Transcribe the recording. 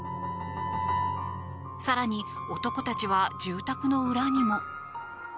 更に、男たちは住宅の裏にも。